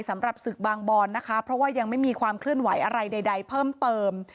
สำหรับศึกบางบอนนะคะเพราะว่ายังไม่มีความเคลื่อนไหวอะไรใดเพิ่มเติม